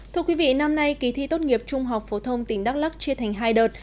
thưa quý vị năm nay kỳ thi tốt nghiệp trung học phổ thông tỉnh đắk lắc chia thành hai đợt